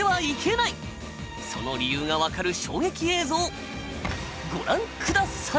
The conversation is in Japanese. その理由がわかる衝撃映像ご覧ください。